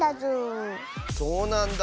そうなんだ。